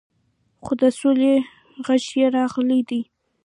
خو د سولې غږ یې راغلی دی.